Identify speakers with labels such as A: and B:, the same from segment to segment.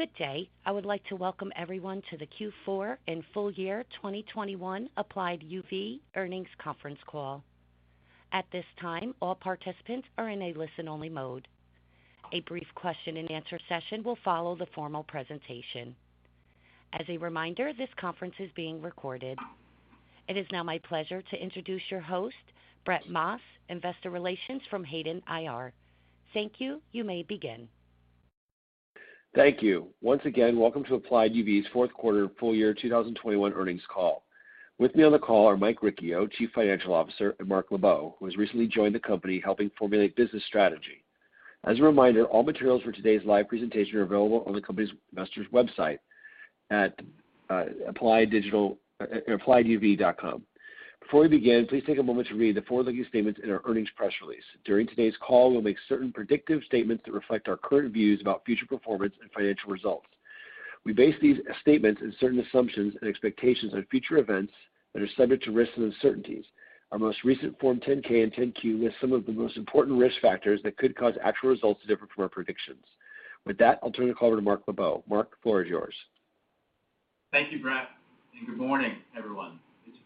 A: Good day. I would like to welcome everyone to the Q4 and full year 2021 Applied UV earnings conference call. At this time, all participants are in a listen-only mode. A brief question-and-answer session will follow the formal presentation. As a reminder, this conference is being recorded. It is now my pleasure to introduce your host, Brett Maas, Investor Relations from Hayden IR. Thank you. You may begin.
B: Thank you. Once again, welcome to Applied UV's fourth quarter full year 2021 earnings call. With me on the call are Mike Riccio, Chief Financial Officer, and Max Munn, who has recently joined the company helping formulate business strategy. As a reminder, all materials for today's live presentation are available on the company's investors website at applieduv.com. Before we begin, please take a moment to read the forward-looking statements in our earnings press release. During today's call, we'll make certain predictive statements that reflect our current views about future performance and financial results. We base these statements on certain assumptions and expectations on future events that are subject to risks and uncertainties. Our most recent Form 10-K and 10-Q list some of the most important risk factors that could cause actual results to differ from our predictions. With that, I'll turn the call over to Max Munn. Max, the floor is yours.
C: Thank you, Brett, and good morning, everyone.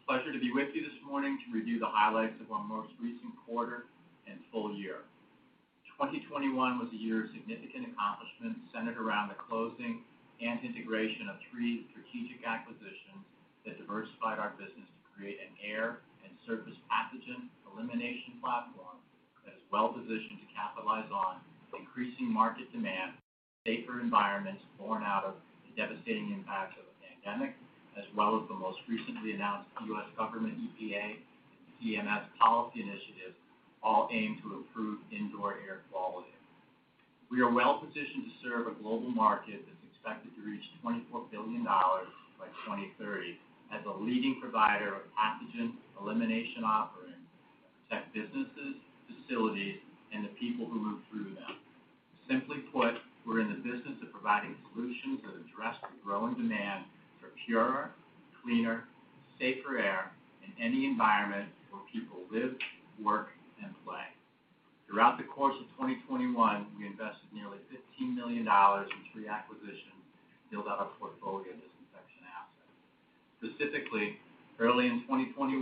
C: It's a pleasure to be with you this morning to review the highlights of our most recent quarter and full year. 2021 was a year of significant accomplishments centered around the closing and integration of three strategic acquisitions that diversified our business to create an air and surface pathogen elimination platform that is well-positioned to capitalize on increasing market demand, safer environments born out of the devastating impact of the pandemic, as well as the most recently announced US government EPA and CMS policy initiatives, all aimed to improve indoor air quality. We are well positioned to serve a global market that's expected to reach $24 billion by 2030 as a leading provider of pathogen elimination offerings that protect businesses, facilities, and the people who move through them. Simply put, we're in the business of providing solutions that address the growing demand for purer, cleaner, safer air in any environment where people live, work, and play. Throughout the course of 2021, we invested nearly $15 million in three acquisitions to build out our portfolio of disinfection assets. Specifically, early in 2021,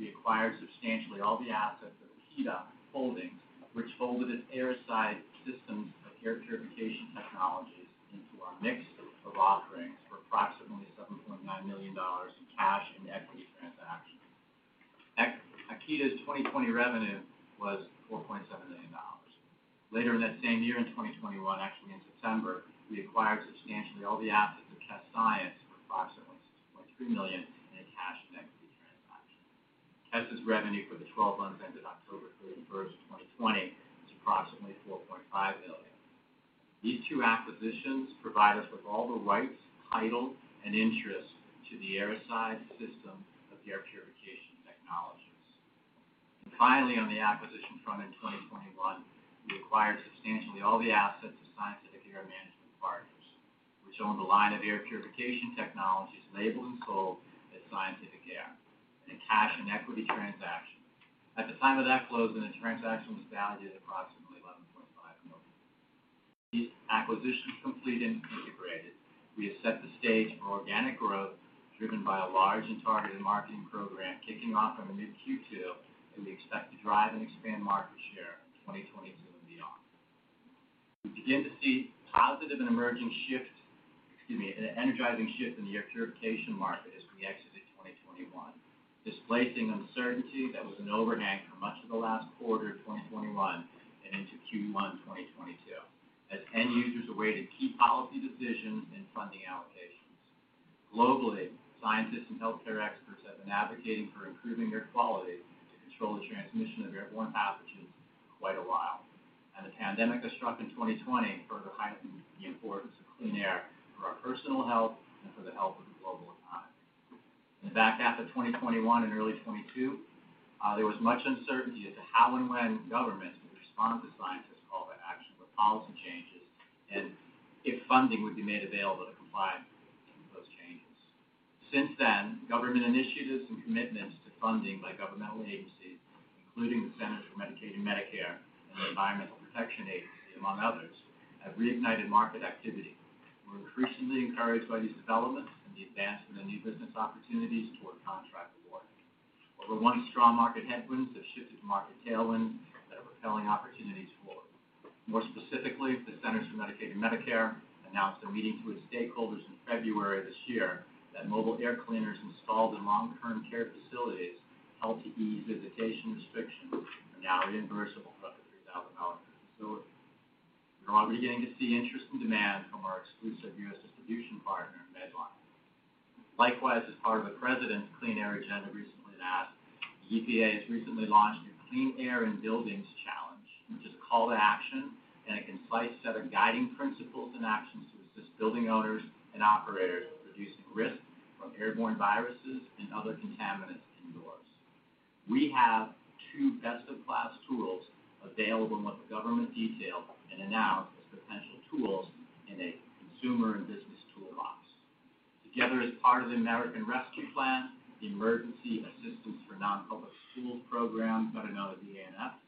C: we acquired substantially all the assets of Akida Holdings, which folded its Airocide systems of air purification technologies into our mix of offerings for approximately $7.9 million in cash and equity transaction. Akida's 2020 revenue was $4.7 million. Later in that same year in 2021, actually in September, we acquired substantially all the assets of KES Science & Technology for approximately $6.3 million in a cash and equity transaction. KES Science & Technology's revenue for the 12 months ended October 31, 2020 was approximately $4.5 million. These two acquisitions provide us with all the rights, title, and interest to the Airocide system of air purification technologies. Finally, on the acquisition front in 2021, we acquired substantially all the assets of Scientific Air Management, which own the line of air purification technologies labeled and sold as Scientific Air in a cash and equity transaction at the time of that close, when the transaction was valued at approximately $11.5 million. With these acquisitions completed and integrated, we have set the stage for organic growth driven by a large and targeted marketing program kicking off in the mid-Q2, that we expect to drive and expand market share in 2022 and beyond. We begin to see positive and emerging shift, excuse me, an energizing shift in the air purification market as we exit 2021, displacing uncertainty that was an overhang for much of the last quarter of 2021 and into Q1 2022 as end users awaited key policy decisions and funding allocations. Globally, scientists and healthcare experts have been advocating for improving air quality to control the transmission of airborne pathogens for quite a while, and the pandemic that struck in 2020 further heightened the importance of clean air for our personal health and for the health of the global economy. In the back half of 2021 and early 2022, there was much uncertainty as to how and when governments would respond to scientists' call to action for policy changes and if funding would be made available to comply with those changes. Since then, government initiatives and commitments to funding by governmental agencies, including the Centers for Medicare and Medicaid Services and the Environmental Protection Agency, among others, have reignited market activity. We're increasingly encouraged by these developments and the advancement of new business opportunities toward contract awards. Where once strong market headwinds have shifted to market tailwinds that are propelling opportunities forward. More specifically, the Centers for Medicare and Medicaid Services announced in a meeting to its stakeholders in February of this year that mobile air cleaners installed in long-term care facilities helped to ease visitation restrictions and are now reimbursable up to $3,000 per facility. We're already beginning to see interest and demand from our exclusive US distribution partner, Medline. Likewise, as part of a president's clean air agenda recently announced, the EPA has recently launched a Clean Air in Buildings Challenge, which is a call to action and a concise set of guiding principles and actions to assist building owners and operators with reducing risk from airborne viruses and other contaminants indoors. We have two best-in-class tools available in what the government detailed and announced as potential tools in a consumer and business tool. Together as part of the American Rescue Plan, the Emergency Assistance for Non-Public Schools program, better known as the EANS.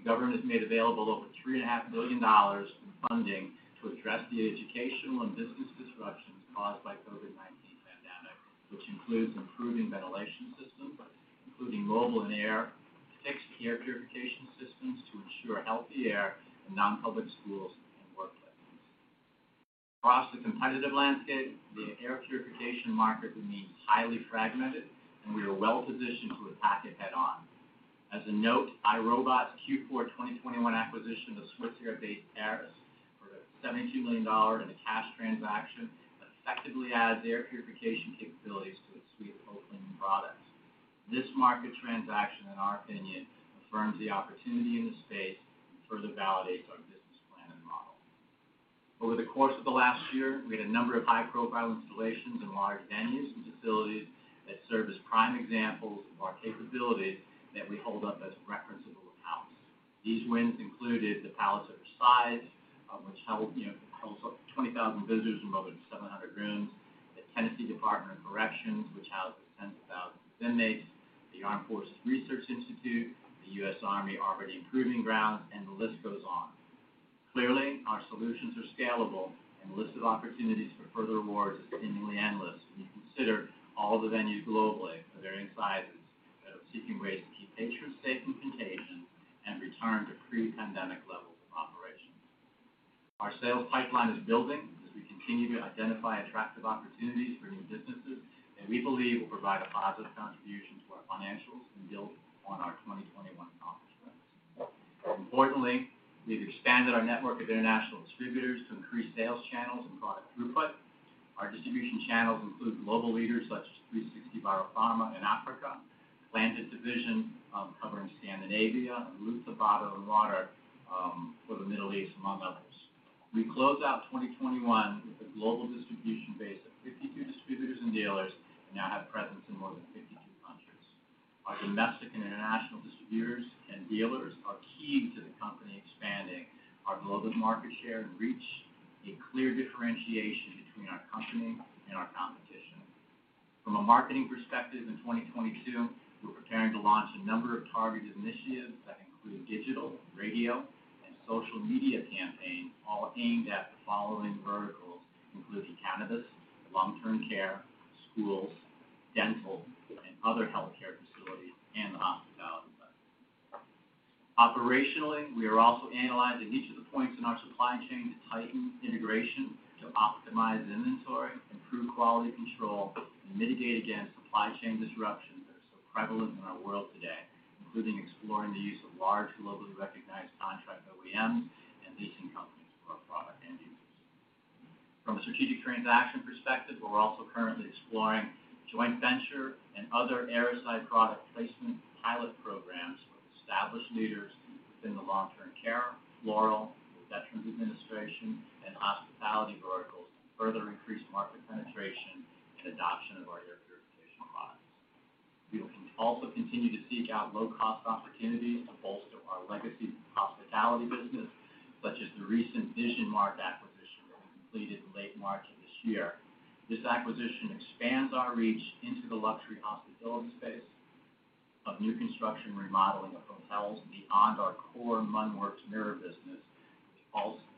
C: The government has made available over $3.5 billion in funding to address the educational and business disruptions caused by COVID-19 pandemic, which includes improving ventilation systems, including mobile air and fixed air purification systems to ensure healthy air in non-public schools and workplaces. Across the competitive landscape, the air purification market remains highly fragmented, and we are well-positioned to attack it head-on. As a note, iRobot's Q4 2021 acquisition of Swiss-based Aeris for a $72 million in a cash transaction effectively adds air purification capabilities to its suite of home cleaning products. This market transaction, in our opinion, affirms the opportunity in the space and further validates our business plan and model. Over the course of the last year, we had a number of high-profile installations in large venues and facilities that serve as prime examples of our capability that we hold up as referenceable accounts. These wins included the Palace of Versailles, which holds up to 20,000 visitors and more than 700 rooms. The Tennessee Department of Correction, which houses tens of thousands of inmates, the Armed Forces Research Institute, the US Army Proving Ground, and the list goes on. Clearly, our solutions are scalable, and the list of opportunities for further awards is seemingly endless when you consider all the venues globally of varying sizes that are seeking ways to keep patrons safe from contagion and return to pre-pandemic levels of operation. Our sales pipeline is building as we continue to identify attractive opportunities for new businesses that we believe will provide a positive contribution to our financials and build on our 2021 accomplishments. Importantly, we've expanded our network of international distributors to increase sales channels and product throughput. Our distribution channels include global leaders such as 3Sixty Biopharmaceuticals in Africa, Plandent Division covering Scandinavia, and Lootah Medical for the Middle East, among others. We close out 2021 with a global distribution base of 52 distributors and dealers and now have presence in more than 52 countries. Our domestic and international distributors and dealers are key to the company expanding our global market share and reach a clear differentiation between our company and our competition. From a marketing perspective in 2022, we're preparing to launch a number of targeted initiatives that include digital, radio, and social media campaigns, all aimed at the following verticals, including cannabis, long-term care, schools, dental, and other healthcare facilities, and the hospitality sector. Operationally, we are also analyzing each of the points in our supply chain to tighten integration, to optimize inventory, improve quality control, and mitigate against supply chain disruptions that are so prevalent in our world today, including exploring the use of large, globally recognized contract OEMs and leasing companies for our product end users. From a strategic transaction perspective, we're also currently exploring joint venture and other aerosol product placement pilot programs with established leaders within the long-term care, floral, the Department of Veterans Affairs, and hospitality verticals to further increase market penetration and adoption of our air purification products. We will also continue to seek out low-cost opportunities to bolster our legacy hospitality business, such as the recent VisionMark acquisition that we completed in late March of this year. This acquisition expands our reach into the luxury hospitality space of new construction remodeling of hotels beyond our core MunnWorks mirror business,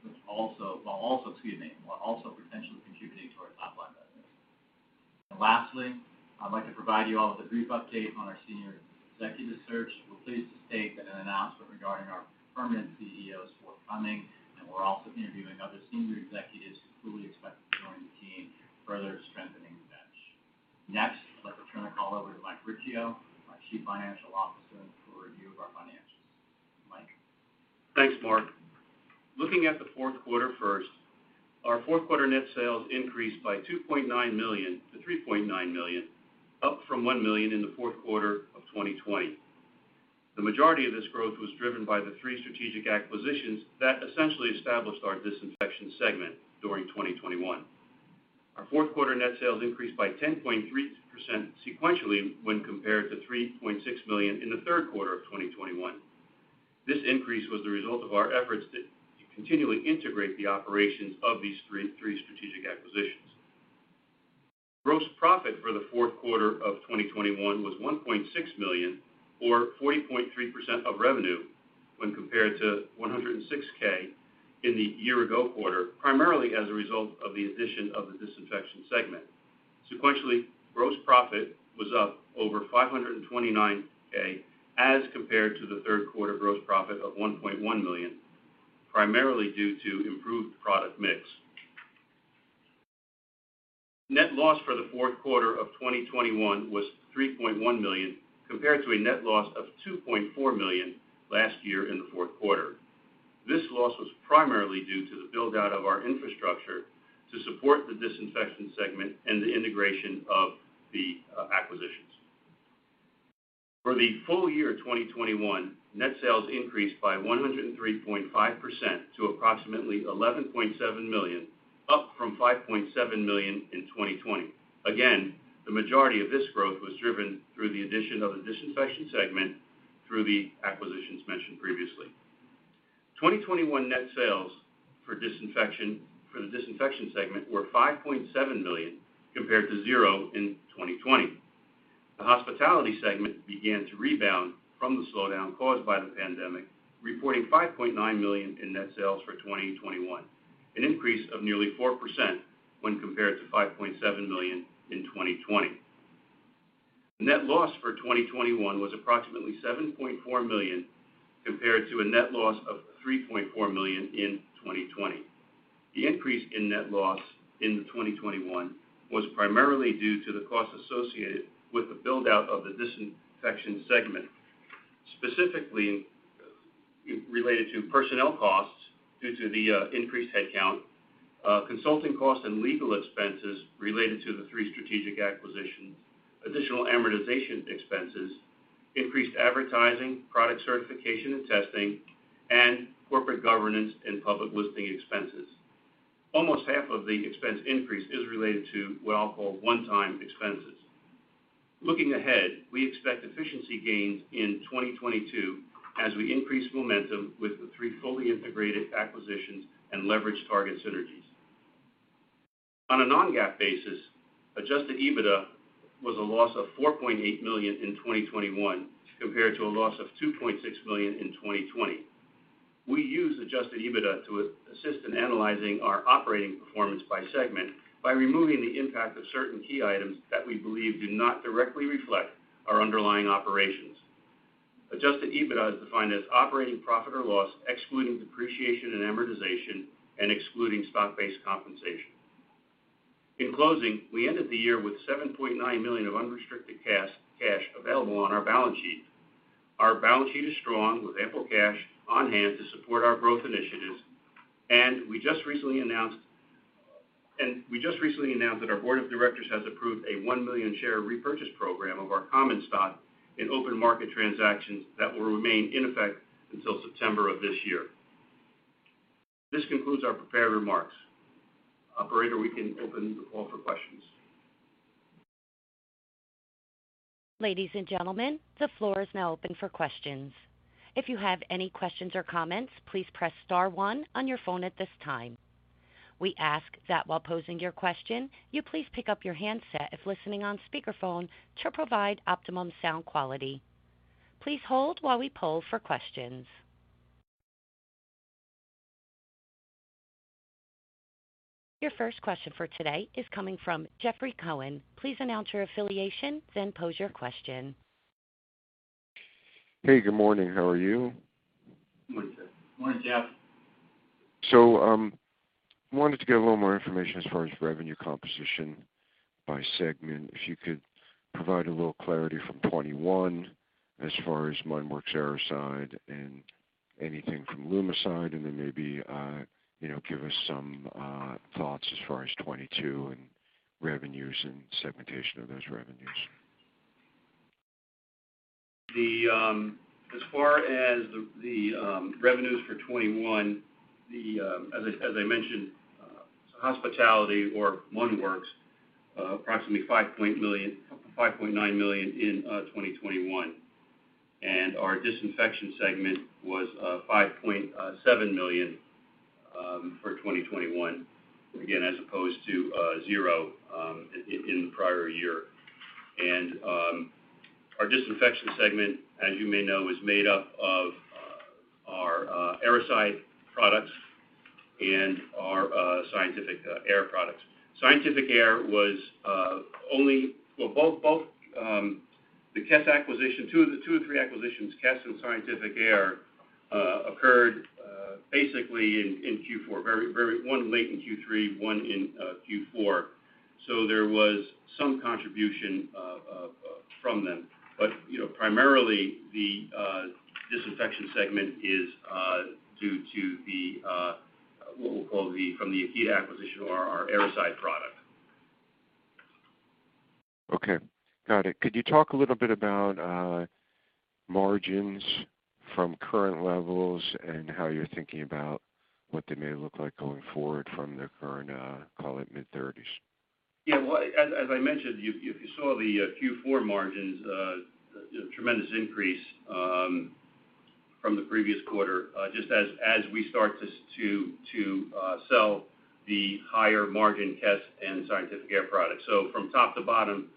C: which while also, excuse me, potentially contributing to our top-line business. Lastly, I'd like to provide you all with a brief update on our senior executive search. We're pleased to state that an announcement regarding our permanent CEO is forthcoming, and we're also interviewing other senior executives who we expect to join the team, further strengthening the bench. Next, I'd like to turn the call over to Mike Riccio, our Chief Financial Officer, for a review of our financials. Mike.
D: Thanks, Max. Looking at the fourth quarter first, our fourth quarter net sales increased by $2.9 million to $3.9 million, up from $1 million in the fourth quarter of 2020. The majority of this growth was driven by the three strategic acquisitions that essentially established our disinfection segment during 2021. Our fourth quarter net sales increased by 10.3% sequentially when compared to $3.6 million in the third quarter of 2021. This increase was the result of our efforts to continually integrate the operations of these three strategic acquisitions. Gross profit for the fourth quarter of 2021 was $1.6 million or 40.3% of revenue when compared to $106K in the year-ago quarter, primarily as a result of the addition of the disinfection segment. Sequentially, gross profit was up over $529K as compared to the third quarter gross profit of $1.1 million, primarily due to improved product mix. Net loss for the fourth quarter of 2021 was $3.1 million, compared to a net loss of $2.4 million last year in the fourth quarter. This loss was primarily due to the build-out of our infrastructure to support the disinfection segment and the integration of the acquisitions. For the full year 2021, net sales increased by 103.5% to approximately $11.7 million, up from $5.7 million in 2020. Again, the majority of this growth was driven through the addition of the Disinfection segment through the acquisitions mentioned previously. 2021 net sales for Disinfection, for the Disinfection segment were $5.7 million compared to $0 in 2020. The Hospitality segment began to rebound from the slowdown caused by the pandemic, reporting $5.9 million in net sales for 2021, an increase of nearly 4% when compared to $5.7 million in 2020. Net loss for 2021 was approximately $7.4 million compared to a net loss of $3.4 million in 2020. The increase in net loss in 2021 was primarily due to the costs associated with the build-out of the disinfection segment, specifically related to personnel costs due to the increased headcount, consulting costs and legal expenses related to the three strategic acquisitions, additional amortization expenses, increased advertising, product certification and testing, and corporate governance and public listing expenses. Almost half of the expense increase is related to what I'll call one-time expenses. Looking ahead, we expect efficiency gains in 2022 as we increase momentum with the three fully integrated acquisitions and leverage target synergies. On a non-GAAP basis, adjusted EBITDA was a loss of $4.8 million in 2021 compared to a loss of $2.6 million in 2020. We use adjusted EBITDA to assist in analyzing our operating performance by segment by removing the impact of certain key items that we believe do not directly reflect our underlying operations. Adjusted EBITDA is defined as operating profit or loss, excluding depreciation and amortization and excluding stock-based compensation. In closing, we ended the year with $7.9 million of unrestricted cash available on our balance sheet. Our balance sheet is strong with ample cash on hand to support our growth initiatives, and we just recently announced that our board of directors has approved a 1 million share repurchase program of our common stock in open market transactions that will remain in effect until September of this year. This concludes our prepared remarks. Operator, we can open the call for questions.
A: Ladies and gentlemen, the floor is now open for questions. If you have any questions or comments, please press star one on your phone at this time. We ask that while posing your question, you please pick up your handset if listening on speakerphone to provide optimum sound quality. Please hold while we poll for questions. Your first question for today is coming from Jeffrey Cohen. Please announce your affiliation, then pose your question.
E: Hey, good morning. How are you?
D: Good morning, Jeff.
A: Good morning, Jeff.
E: Wanted to get a little more information as far as revenue composition by segment. If you could provide a little clarity from 2021 as far as MunnWorks/Airocide and anything from Lumicide, and then maybe, you know, give us some thoughts as far as 2022 and revenues and segmentation of those revenues.
D: As far as the revenues for 2021, as I mentioned, Hospitality, our MunnWorks approximately $5.9 million in 2021. Our Disinfection segment was $5.7 million for 2021, again, as opposed to 0 in the prior year. Our Disinfection segment, as you may know, is made up of our Airocide products and our Scientific Air products. Scientific Air was only. Well, both the KES acquisition, two of three acquisitions, KES and Scientific Air, occurred basically in Q4, very one late in Q3, one in Q4. There was some contribution from them. You know, primarily the Disinfection segment is due to what we'll call the Akida acquisition or our Airocide product.
E: Okay. Got it. Could you talk a little bit about margins from current levels and how you're thinking about what they may look like going forward from their current, call it mid-30s%?
D: Yeah. Well, as I mentioned, you saw the Q4 margins, tremendous increase from the previous quarter, just as we start to sell the higher margin KES and Scientific Air products. From top to bottom,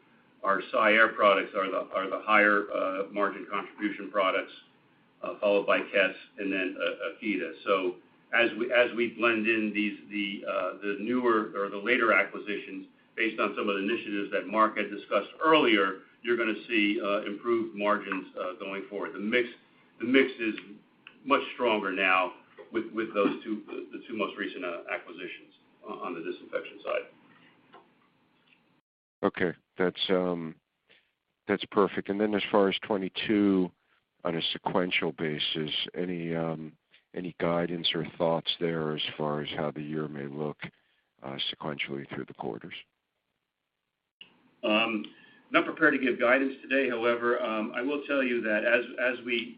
D: our Scientific Air products are the higher margin contribution products, followed by KES and then Akida. As we blend in these newer or later acquisitions based on some of the initiatives that Max had discussed earlier, you're gonna see improved margins going forward. The mix is much stronger now with those two, the two most recent acquisitions on the disinfection side.
E: Okay. That's perfect. As far as 22 on a sequential basis, any guidance or thoughts there as far as how the year may look, sequentially through the quarters?
D: Not prepared to give guidance today. However, I will tell you that as we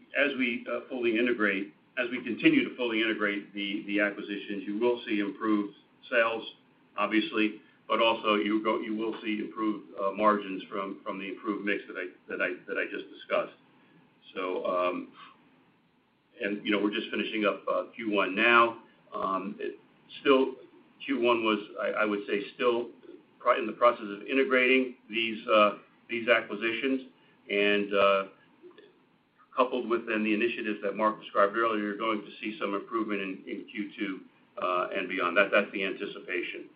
D: continue to fully integrate the acquisitions, you will see improved sales. Obviously, but also you will see improved margins from the improved mix that I just discussed. You know, we're just finishing up Q1 now. Q1 was, I would say, still in the process of integrating these acquisitions and coupled with the initiatives that Max described earlier, you're going to see some improvement in Q2 and beyond. That's the anticipation.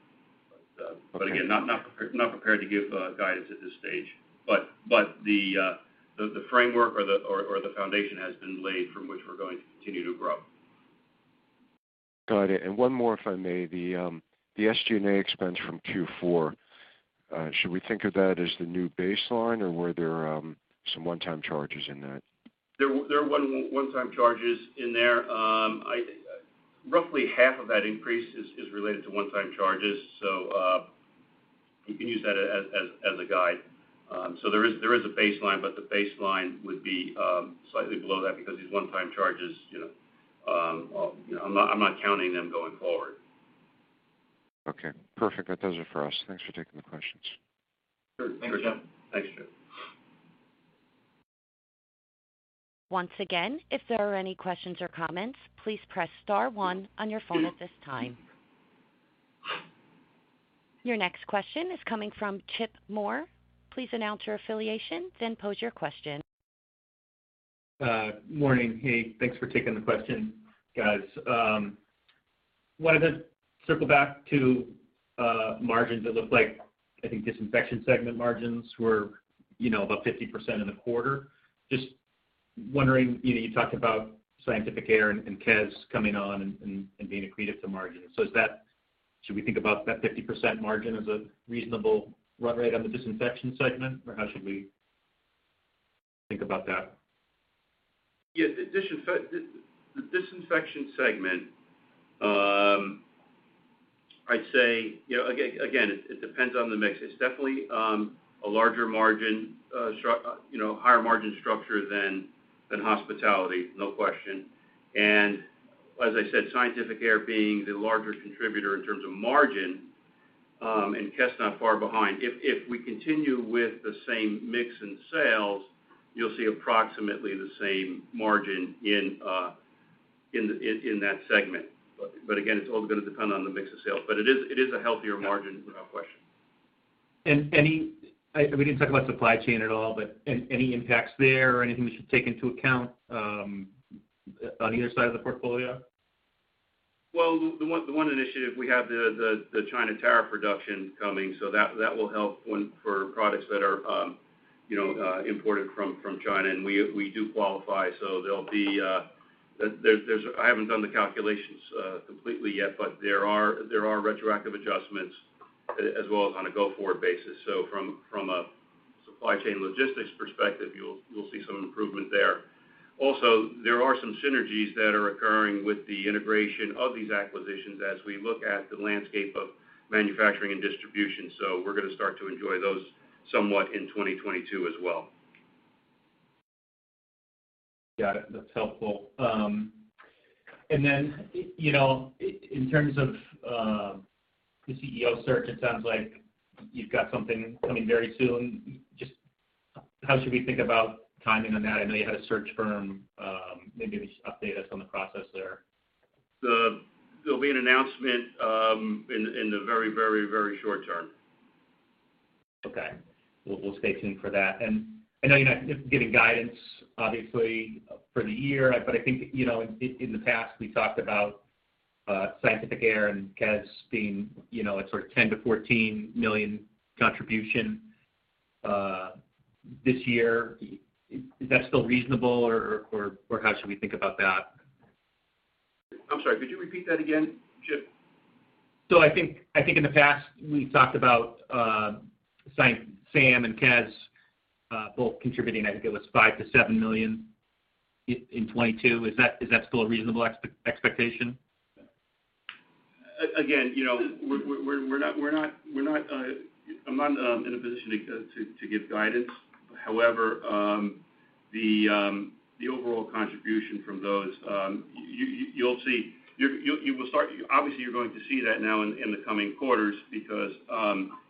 D: But again, not prepared to give guidance at this stage. The framework or the foundation has been laid from which we're going to continue to grow.
E: Got it. One more, if I may. The the SG&A expense from Q4 should we think of that as the new baseline or were there some one-time charges in that?
D: There were one-time charges in there. Roughly half of that increase is related to one-time charges, so you can use that as a guide. So there is a baseline, but the baseline would be slightly below that because these one-time charges, you know, you know, I'm not counting them going forward.
E: Okay, perfect. That does it for us. Thanks for taking the questions.
D: Sure. Thanks, Jim.
C: Thanks, Jim.
A: Once again, if there are any questions or comments, please press star one on your phone at this time. Your next question is coming from Chip Moore. Please announce your affiliation, then pose your question.
F: Morning. Hey, thanks for taking the question, guys. Wanted to circle back to margins. It looked like, I think disinfection segment margins were, you know, about 50% in the quarter. Just wondering, you know, you talked about Scientific Air and KES coming on and being accretive to margin. Is that 50% margin a reasonable run rate on the disinfection segment or how should we think about that?
D: Yeah, the disinfection segment, I'd say, you know, again, it depends on the mix. It's definitely a larger margin, higher margin structure than hospitality, no question. As I said, Scientific Air being the larger contributor in terms of margin, and KES not far behind. If we continue with the same mix in sales, you'll see approximately the same margin in that segment. But again, it's all gonna depend on the mix of sales. But it is a healthier margin, without question.
F: We didn't talk about supply chain at all, but any impacts there or anything we should take into account on the other side of the portfolio?
D: Well, the one initiative we have the China tariff reduction coming, so that will help for products that are, you know, imported from China. We do qualify, so there'll be. I haven't done the calculations completely yet, but there are retroactive adjustments as well as on a go-forward basis. From a supply chain logistics perspective, you'll see some improvement there. Also, there are some synergies that are occurring with the integration of these acquisitions as we look at the landscape of manufacturing and distribution. We're gonna start to enjoy those somewhat in 2022 as well.
F: Got it. That's helpful. You know, in terms of the CEO search, it sounds like you've got something coming very soon. Just how should we think about timing on that? I know you had a search firm. Maybe just update us on the process there.
D: There'll be an announcement in the very short term.
F: Okay. We'll stay tuned for that. I know you're not giving guidance obviously for the year, but I think, you know, in the past we talked about Scientific Air and KES being, you know, a sort of $10 million-$14 million contribution this year. Is that still reasonable or how should we think about that?
D: I'm sorry, could you repeat that again, Chip?
F: I think in the past we talked about SAM and KES both contributing I think it was $5-7 million in 2022. Is that still a reasonable expectation?
D: Again, you know, I'm not in a position to give guidance. However, the overall contribution from those, you'll see. You will start. Obviously you're going to see that now in the coming quarters because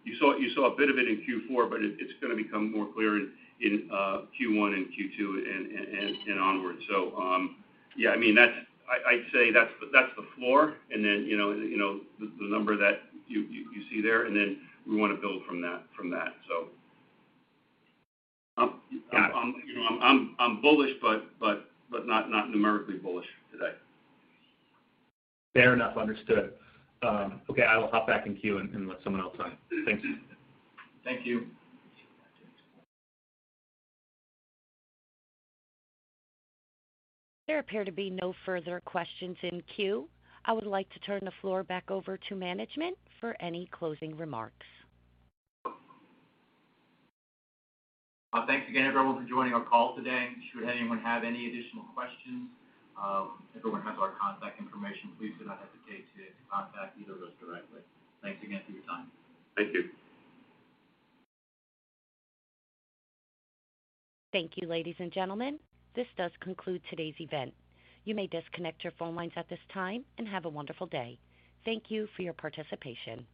D: you saw a bit of it in Q4 but it's gonna become more clear in Q1 and Q2 and onwards. Yeah, I mean, I'd say that's the floor and then, you know, the number that you see there and then we wanna build from that so. I'm
F: Yeah.
D: You know, I'm bullish but not numerically bullish today.
F: Fair enough. Understood. Okay, I will hop back in queue and let someone else on. Thanks.
D: Thank you.
A: There appear to be no further questions in queue. I would like to turn the floor back over to management for any closing remarks.
C: Thanks again everyone for joining our call today. Should anyone have any additional questions, everyone has our contact information. Please do not hesitate to contact either of us directly. Thanks again for your time.
D: Thank you.
A: Thank you, ladies and gentlemen. This does conclude today's event. You may disconnect your phone lines at this time and have a wonderful day. Thank you for your participation.